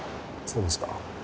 そうですか。